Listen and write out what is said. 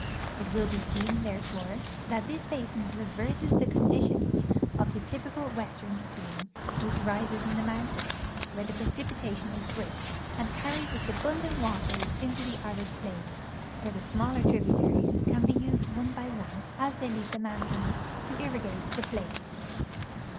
It will be seen, therefore, that this basin reverses the conditions of the typical western stream wdiich rises in the moun tains, where the precipitation is great, and carries its abundant waters into the arid plains, where the smaller tributaries can be used one l)y one, as the,y leave the mountains, to irrigate the plain.